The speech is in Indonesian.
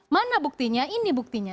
mana buktinya ini buktinya